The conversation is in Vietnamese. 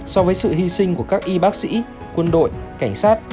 so với sự hy sinh của các y bác sĩ quân đội cảnh sát